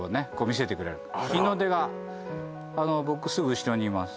日の出が僕すぐ後ろにいます